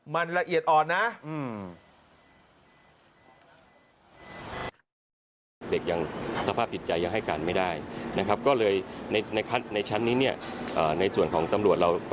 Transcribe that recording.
มันละเอียดอ่อนนะ